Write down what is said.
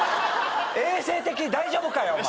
衛生的に大丈夫かよお前。